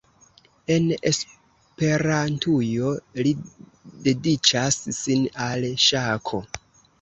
En Esperantujo li dediĉas sin al ŝako.